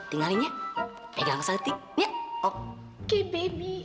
tinggalin ya pegang satu nyet oke baby